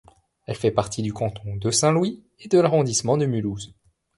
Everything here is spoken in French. Elle fait partie du canton de Saint-Louis et de l'arrondissement de Mulhouse.